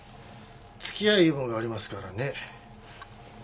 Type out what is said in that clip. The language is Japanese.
付き合いいうもんがありますからね。